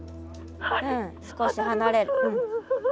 うん少し離れる。